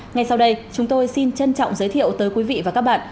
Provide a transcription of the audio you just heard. ngay sau đây chúng tôi xin trân trọng giới thiệu tới quý vị và các bạn